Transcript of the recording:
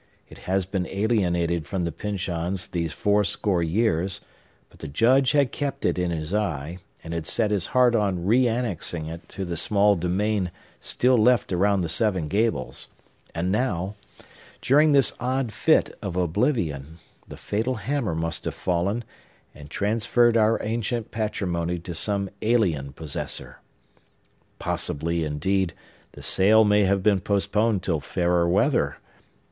It has been alienated from the Pyncheons these four score years; but the Judge had kept it in his eye, and had set his heart on reannexing it to the small demesne still left around the Seven Gables; and now, during this odd fit of oblivion, the fatal hammer must have fallen, and transferred our ancient patrimony to some alien possessor. Possibly, indeed, the sale may have been postponed till fairer weather.